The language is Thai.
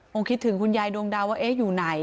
คิดถึงคุณยายดวงดาวว่าเอ๊ะอยู่ไหน